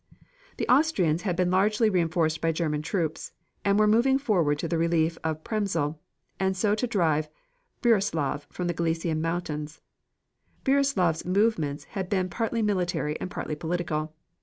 The Austrians had been largely reinforced by German troops, and were moving forward to the relief of Przemysl, and also to drive Brussilov from the Galician mountains. Brussilov's movements had been partly military and partly political.